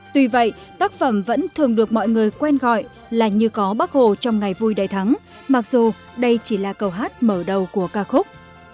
tuy vậy tác phẩm vẫn thường được mọi người quen gọi là như có bác hồ trong ngày vui đại thắng mặc dù đây chỉ là câu hát mở đầu của ca khúc